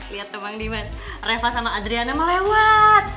liat tuh bang diman reva sama adriana melewat